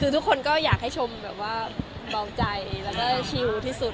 ทุกคนก็อยากให้ชมเบาใจและชิวที่สุด